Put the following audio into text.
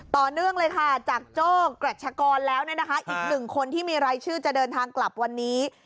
ต่อเนื่องเลยค่ะจากโจ้กรัชกรแล้วเนี่ยนะคะอีกหนึ่งคนที่มีรายชื่อจะเดินทางกลับวันนี้